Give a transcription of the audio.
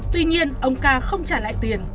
tuy nhiên ông ca không trả lại tiền